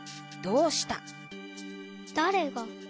「どうした」？